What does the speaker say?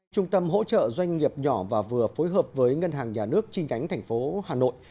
trung tâm hỗ trợ doanh nghiệp nhỏ và vừa phối hợp với ngân hàng nhà nước chi nhánh thành phố hà nội